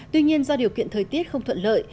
tuy nhiên do điều kiện thời tiết không thuận lợi